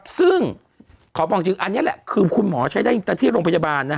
ซึ่งอันนี้แหละคือคุณหมอใช้ได้อยู่ที่โรงพยาบาล